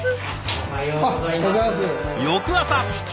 おはようございます。